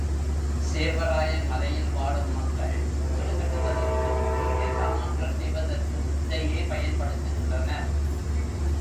சேர்வராயன் மலையில் வாழும் மக்கள் வீடு கட்டுவதற்கும், வீட்டுச் சாமான்கள் செய்வதற்கும் இதையே பயன்படுத்துகின்றனர்.